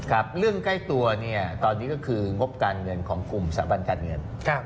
ครับเรื่องใกล้ตัวเนี่ยตอนนี้ก็คืองบการเงินของกลุ่มสถาบันการเงิน